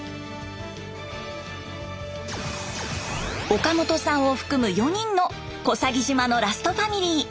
岡本さんを含む４人の小佐木島のラストファミリー。